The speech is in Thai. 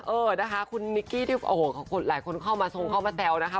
เออนะคะคุณนิกกี้ที่โอ้โหหลายคนเข้ามาทรงเข้ามาแซวนะคะ